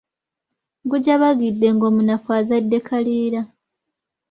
Gujabagidde, ng’omunafu azadde kaliira.